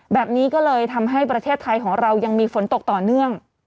แบบนี้ก็เลยทำให้ประเทศไทยของเรายังมีฝนตกต่อเนื่อง